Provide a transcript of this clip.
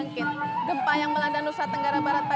kita memang benar benar kebetulan